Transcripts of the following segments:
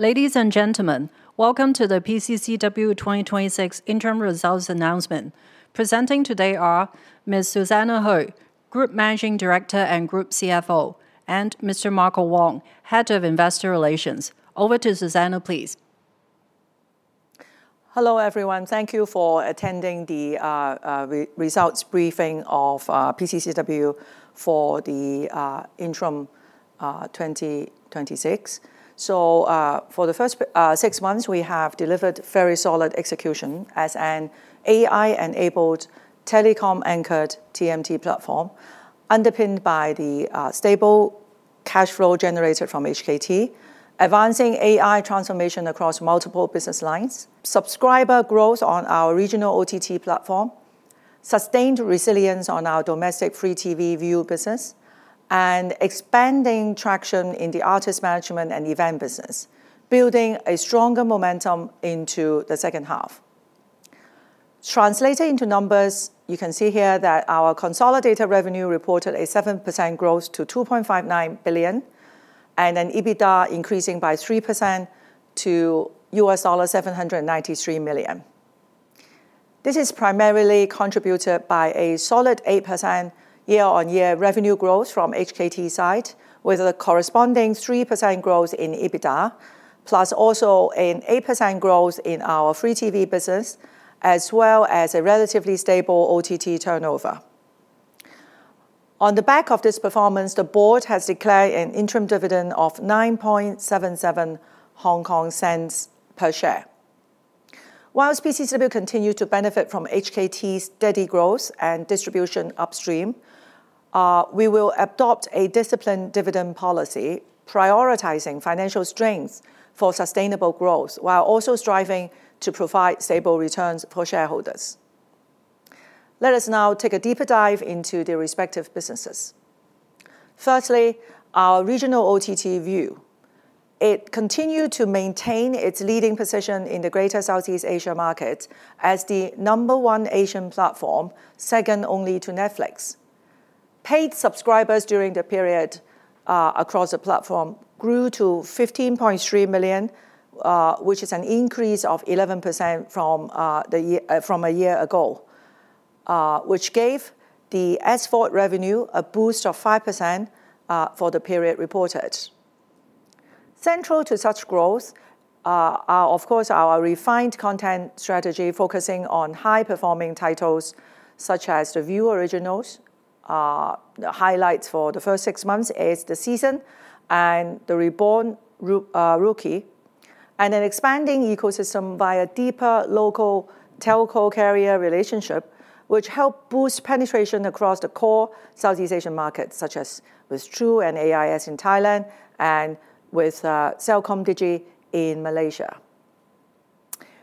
Ladies and gentlemen, welcome to the PCCW 2026 interim results announcement. Presenting today are Ms. Susanna Hui, Group Managing Director and Group CFO, and Mr. Marco Wong, Head of Investor Relations. Over to Susanna, please. Hello, everyone. Thank you for attending the results briefing of PCCW for the interim 2026. For the first six months, we have delivered very solid execution as an AI-enabled telecom-anchored TMT platform, underpinned by the stable cash flow generated from HKT, advancing AI transformation across multiple business lines, subscriber growth on our regional OTT platform, sustained resilience on our domestic free TV ViuTV business, and expanding traction in the artiste management and event business, building a stronger momentum into the second half. Translated into numbers, you can see here that our consolidated revenue reported a 7% growth to 2.59 billion and an EBITDA increasing by 3% to US$793 million. This is primarily contributed by a solid 8% year-on-year revenue growth from HKT's side, with a corresponding 3% growth in EBITDA, plus also an 8% growth in our free TV ViuTV business, as well as a relatively stable OTT turnover. On the back of this performance, the board has declared an interim dividend of 0.0977 per share. Whilst PCCW continue to benefit from HKT's steady growth and distribution upstream, we will adopt a disciplined dividend policy, prioritizing financial strength for sustainable growth, while also striving to provide stable returns for shareholders. Let us now take a deeper dive into the respective businesses. Firstly, our regional OTT, Viu. It continued to maintain its leading position in the Greater Southeast Asia market as the number one Asian platform, second only to Netflix. Paid subscribers during the period across the platform grew to 15.3 million, which is an increase of 11% from a year ago, which gave the SVOD revenue a boost of 5% for the period reported. Central to such growth are, of course, our refined content strategy, focusing on high-performing titles such as the Viu Originals. The highlights for the first six months is "The Season" and the "Reborn Rookie," An expanding ecosystem via deeper local telco carrier relationship, which helped boost penetration across the core Southeast Asian markets, such as with True and AIS in Thailand and with CelcomDigi in Malaysia.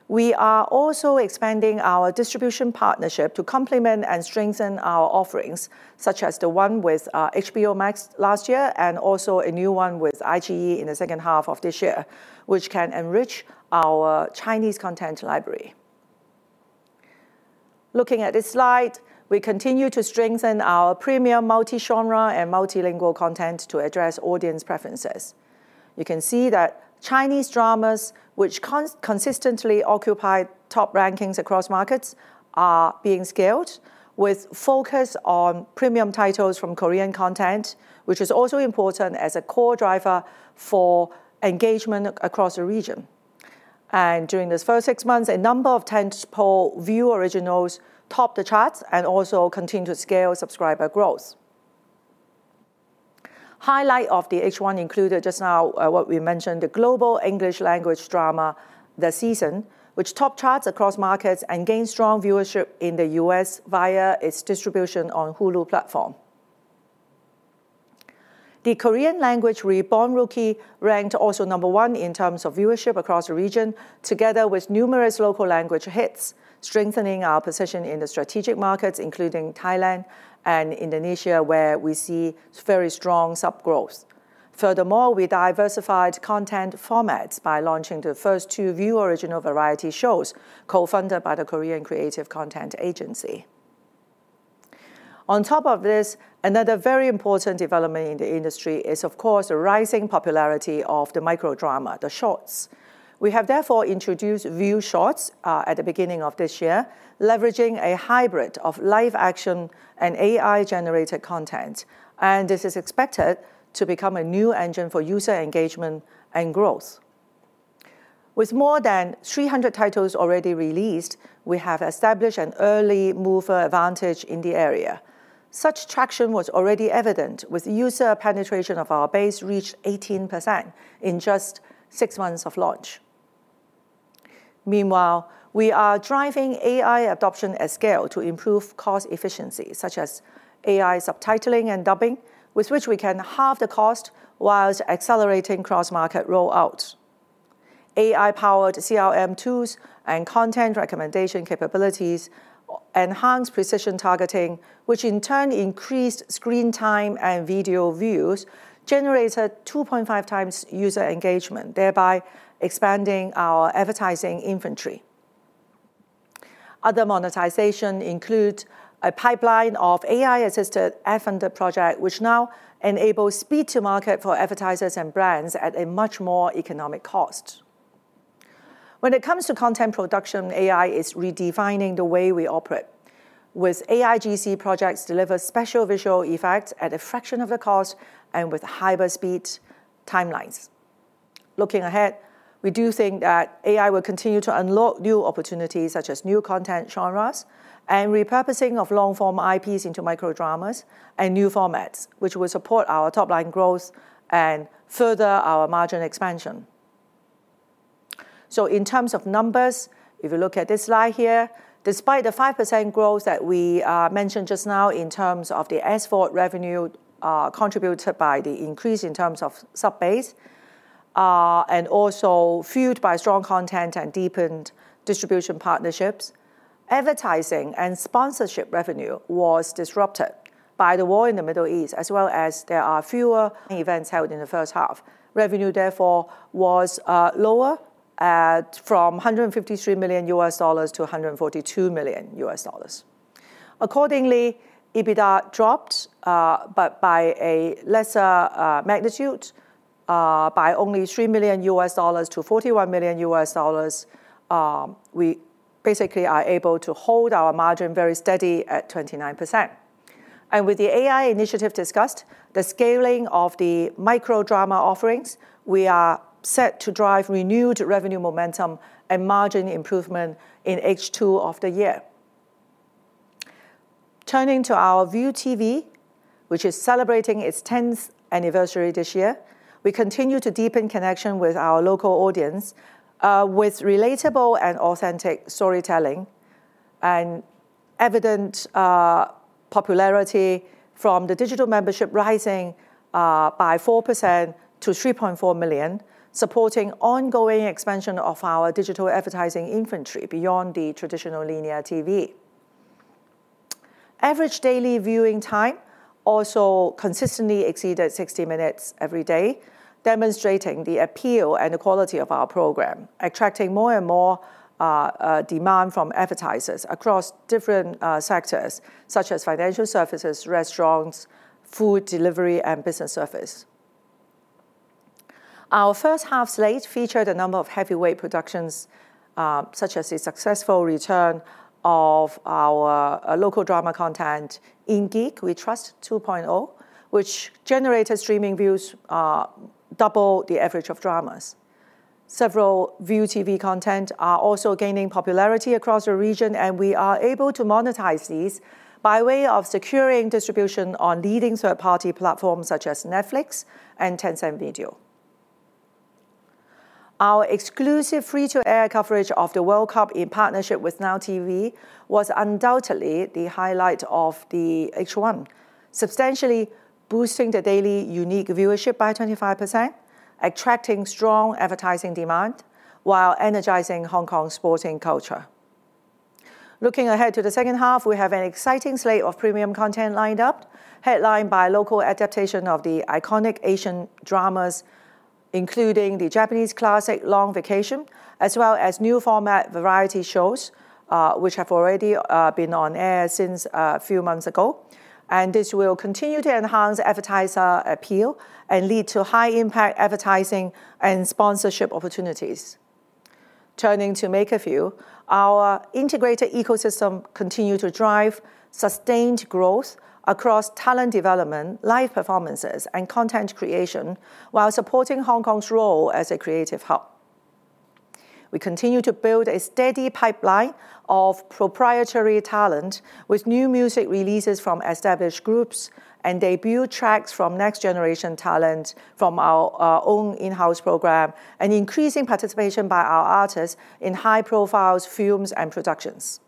We are also expanding our distribution partnership to complement and strengthen our offerings, such as the one with HBO Max last year, and also a new one with iQIYI in the second half of this year, which can enrich our Chinese content library. Looking at this slide, we continue to strengthen our premium multi-genre and multilingual content to address audience preferences. You can see that Chinese dramas, which consistently occupy top rankings across markets, are being scaled with focus on premium titles from Korean content, which is also important as a core driver for engagement across the region. During this first six months, a number of tentpole Viu Originals topped the charts and also continued to scale subscriber growth. Highlight of the H1 included just now what we mentioned, the global English language drama, "The Season," which topped charts across markets and gained strong viewership in the U.S. via its distribution on Hulu platform. The Korean language, "Reborn Rookie," ranked also number one in terms of viewership across the region, together with numerous local language hits, strengthening our position in the strategic markets, including Thailand and Indonesia, where we see very strong sub growth. Furthermore, we diversified content formats by launching the first two Viu Original variety shows, co-funded by the Korea Creative Content Agency. On top of this, another very important development in the industry is, of course, the rising popularity of the micro drama, the Shorts. We have therefore introduced Viu Shorts at the beginning of this year, leveraging a hybrid of live action and AI-generated content. This is expected to become a new engine for user engagement and growth. With more than 300 titles already released, we have established an early mover advantage in the area. Such traction was already evident, with user penetration of our base reached 18% in just six months of launch. Meanwhile, we are driving AI adoption at scale to improve cost efficiency, such as AI subtitling and dubbing, with which we can halve the cost whilst accelerating cross-market rollout. AI-powered CRM tools and content recommendation capabilities enhance precision targeting, which in turn increased screen time and video views, generated 2.5x user engagement, thereby expanding our advertising inventory. Other monetization include a pipeline of AI-assisted F&D project, which now enables speed to market for advertisers and brands at a much more economic cost. When it comes to content production, AI is redefining the way we operate, with AIGC projects deliver special visual effects at a fraction of the cost and with high-speed timelines. Looking ahead, we do think that AI will continue to unlock new opportunities, such as new content genres and repurposing of long-form IPs into micro dramas and new formats, which will support our top-line growth and further our margin expansion. In terms of numbers, if you look at this slide here, despite the 5% growth that we mentioned just now in terms of the SVOD revenue contributed by the increase in terms of sub-base, and also fueled by strong content and deepened distribution partnerships, advertising and sponsorship revenue was disrupted by the war in the Middle East as well as there are fewer events held in the first half. Revenue, therefore, was lower at from $153 million-$142 million. Accordingly, EBITDA dropped, but by a lesser magnitude, by only $3 million-$41 million. We basically are able to hold our margin very steady at 29%. With the AI initiative discussed, the scaling of the micro drama offerings, we are set to drive renewed revenue momentum and margin improvement in H2 of the year. Turning to our ViuTV, which is celebrating its 10th anniversary this year. We continue to deepen connection with our local audience, with relatable and authentic storytelling and evident popularity from the digital membership rising by 4% to 3.4 million, supporting ongoing expansion of our digital advertising inventory beyond the traditional linear TV. Average daily viewing time also consistently exceeded 60 minutes every day, demonstrating the appeal and the quality of our program, attracting more and more demand from advertisers across different sectors such as financial services, restaurants, food delivery, and business service. Our first half slate featured a number of heavyweight productions, such as the successful return of our local drama content, "In Geek We Trust 2.0", which generated streaming views double the average of dramas. Several ViuTV content are also gaining popularity across the region, and we are able to monetize these by way of securing distribution on leading third-party platforms such as Netflix and Tencent Video. Our exclusive free-to-air coverage of the World Cup in partnership with Now TV was undoubtedly the highlight of the H1, substantially boosting the daily unique viewership by 25%, attracting strong advertising demand while energizing Hong Kong sporting culture. Looking ahead to the second half, we have an exciting slate of premium content lined up, headlined by local adaptation of the iconic Asian dramas, including the Japanese classic "Long Vacation," as well as new format variety shows, which have already been on air since a few months ago. This will continue to enhance advertiser appeal and lead to high-impact advertising and sponsorship opportunities. Turning to MakerVille, our integrated ecosystem continue to drive sustained growth across talent development, live performances, and content creation while supporting Hong Kong's role as a creative hub. We continue to build a steady pipeline of proprietary talent with new music releases from established groups and debut tracks from next-generation talent from our own in-house program and increasing participation by our artists in high-profile films and productions.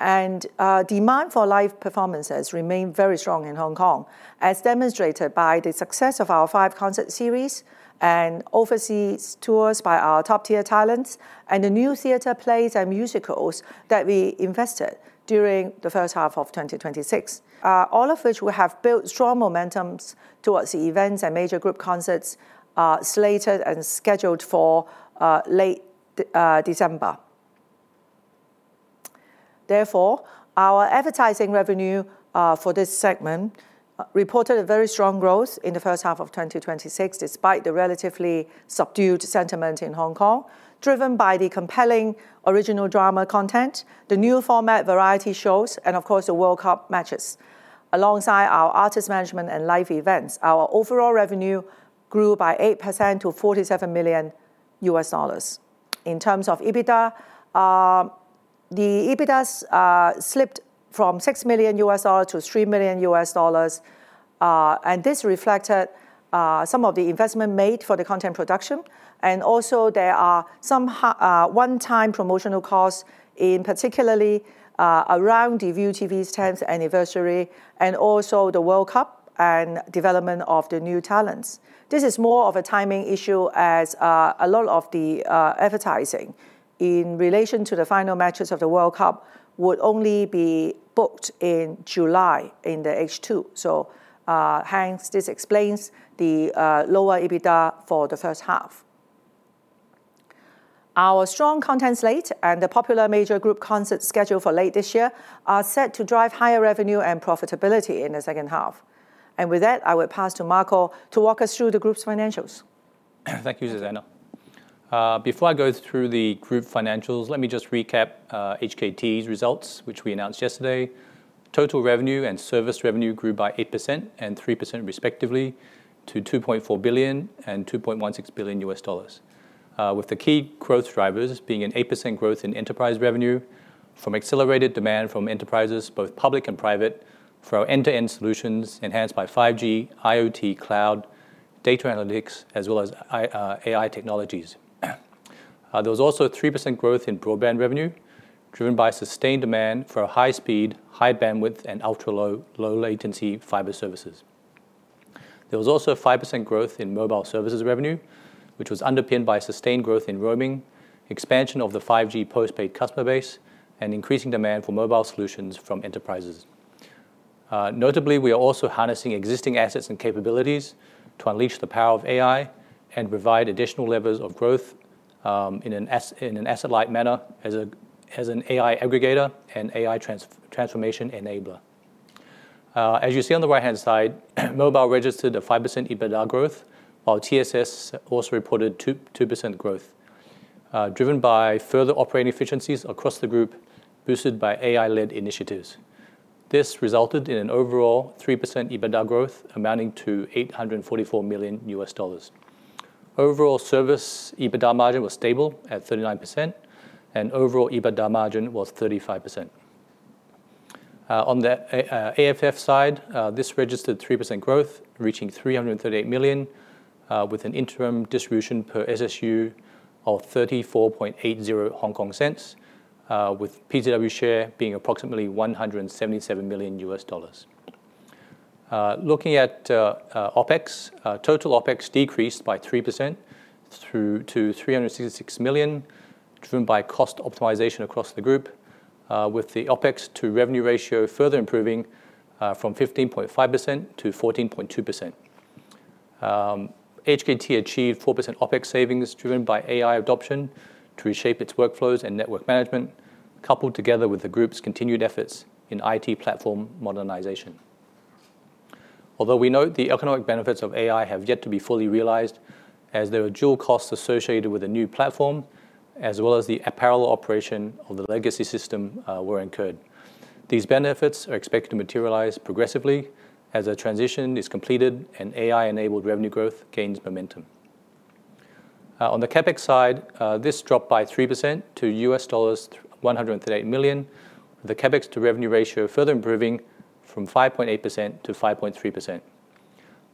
Demand for live performances remain very strong in Hong Kong, as demonstrated by the success of our five concert series and overseas tours by our top-tier talents and the new theater plays and musicals that we invested during the first half of 2026. All of which will have built strong momentums towards the events and major group concerts slated and scheduled for late December. Our advertising revenue for this segment reported a very strong growth in the first half of 2026, despite the relatively subdued sentiment in Hong Kong, driven by the compelling original drama content, the new format variety shows, and of course, the World Cup matches. Alongside our artist management and live events, our overall revenue grew by 8% to $47 million. In terms of EBITDA, the EBITDA slipped from $6 million- $3 million. This reflected some of the investment made for the content production. Also there are some one-time promotional costs in particularly around the ViuTV's 10th anniversary and also the World Cup and development of the new talents. This is more of a timing issue as a lot of the advertising in relation to the final matches of the World Cup would only be booked in July in the H2. Hence, this explains the lower EBITDA for the first half. Our strong content slate and the popular major group concert schedule for late this year are set to drive higher revenue and profitability in the second half. With that, I will pass to Marco to walk us through the group's financials. Thank you, Susanna. Before I go through the group financials, let me just recap HKT's results, which we announced yesterday. Total revenue and service revenue grew by 8% and 3% respectively to 2.4 billion and HKD 2.16 billion, with the key growth drivers being an 8% growth in enterprise revenue from accelerated demand from enterprises, both public and private, for our end-to-end solutions enhanced by 5G, IoT, cloud, data analytics, as well as AI technologies. There was also a 3% growth in broadband revenue driven by sustained demand for high speed, high bandwidth, and ultra-low, low latency fiber services. There was also a 5% growth in mobile services revenue, which was underpinned by sustained growth in roaming, expansion of the 5G postpaid customer base, and increasing demand for mobile solutions from enterprises. Notably, we are also harnessing existing assets and capabilities to unleash the power of AI and provide additional levers of growth in an asset-light manner as an AI aggregator and AI transformation enabler. As you see on the right-hand side, mobile registered a 5% EBITDA growth, while TSS also reported 2% growth, driven by further operating efficiencies across the group, boosted by AI-led initiatives. This resulted in an overall 3% EBITDA growth amounting to HKD 844 million. Overall service EBITDA margin was stable at 39%, and overall EBITDA margin was 35%. On the AFF side, this registered 3% growth, reaching 338 million, with an interim distribution per SSU of 0.3480, with PCCW share being approximately HKD 177 million. Looking at OpEx, total OpEx decreased by 3% through to 366 million, driven by cost optimization across the group, with the OpEx to revenue ratio further improving from 15.5%-14.2%. HKT achieved 4% OpEx savings driven by AI adoption to reshape its workflows and network management, coupled together with the group's continued efforts in IT platform modernization. Although we note the economic benefits of AI have yet to be fully realized, as there are dual costs associated with a new platform, as well as the parallel operation of the legacy system were incurred. These benefits are expected to materialize progressively as the transition is completed and AI-enabled revenue growth gains momentum. On the CapEx side, this dropped by 3% to HKD 138 million. The CapEx to revenue ratio further improving from 5.8%-5.3%.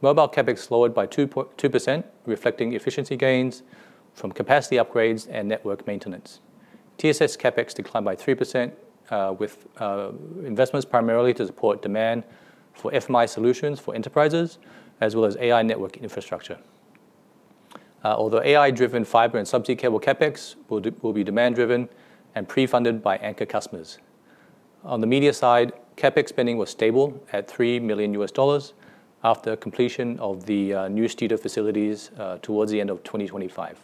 Mobile CapEx lowered by 2%, reflecting efficiency gains from capacity upgrades and network maintenance. TSS CapEx declined by 3%, with investments primarily to support demand for FMI solutions for enterprises, as well as AI network infrastructure. AI-driven fiber and subsea cable CapEx will be demand driven and pre-funded by anchor customers. On the media side, CapEx spending was stable at HKD 3 million after completion of the new studio facilities towards the end of 2025.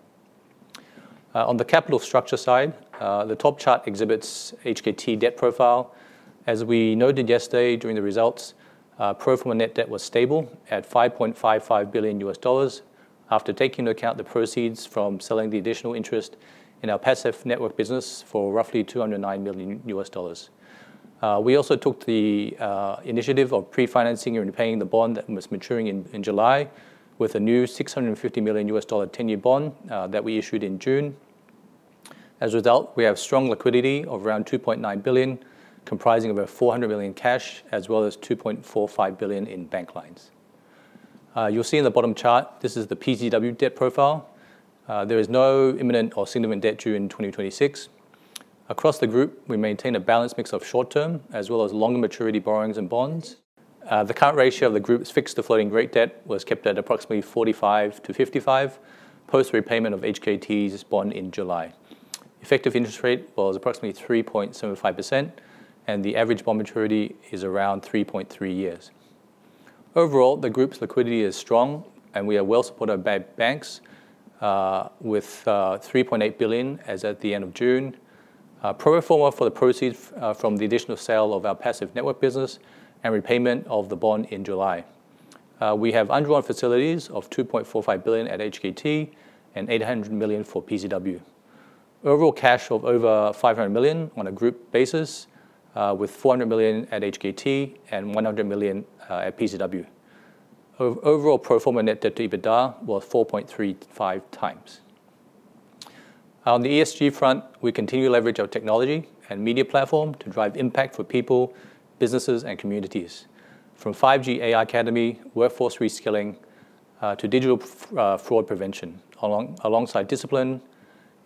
On the capital structure side, the top chart exhibits HKT debt profile. As we noted yesterday during the results, pro forma net debt was stable at HKD 5.55 billion after taking into account the proceeds from selling the additional interest in our passive network business for roughly HKD 209 million. We also took the initiative of pre-financing and repaying the bond that was maturing in July with a new HKD 650 million 10-year bond that we issued in June. We have strong liquidity of around 2.9 billion, comprising of 400 million cash as well as 2.45 billion in bank lines. You'll see in the bottom chart, this is the PCCW debt profile. There is no imminent or significant debt due in 2026. Across the group, we maintain a balanced mix of short term as well as long maturity borrowings and bonds. The current ratio of the group's fixed to floating rate debt was kept at approximately 45-55 post repayment of HKT's bond in July. Effective interest rate was approximately 3.75%, and the average bond maturity is around 3.3 years. The group's liquidity is strong, and we are well supported by banks with 3.8 billion as at the end of June. Pro forma for the proceeds from the additional sale of our passive network business and repayment of the bond in July, we have undrawn facilities of 2.45 billion at HKT and 800 million for PCCW. Cash of over 500 million on a group basis, with 400 million at HKT and 100 million at PCCW. Pro forma net debt to EBITDA was 4.35 times. On the ESG front, we continue leverage our technology and media platform to drive impact for people, businesses, and communities. From 5G AI Academy, workforce reskilling, to digital fraud prevention. Alongside discipline,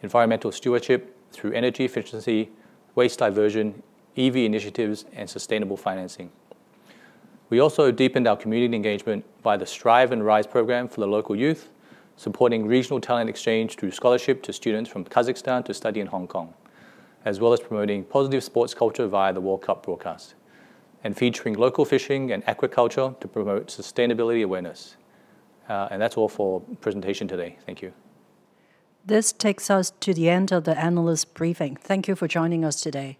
environmental stewardship through energy efficiency, waste diversion, EV initiatives, and sustainable financing. We also deepened our community engagement by the Strive and Rise program for the local youth, supporting regional talent exchange through scholarship to students from Kazakhstan to study in Hong Kong. Promoting positive sports culture via the World Cup broadcast, and featuring local fishing and aquaculture to promote sustainability awareness. That's all for presentation today. Thank you. This takes us to the end of the analyst briefing. Thank you for joining us today.